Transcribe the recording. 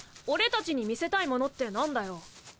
俺たちに見せたいものって何だよ？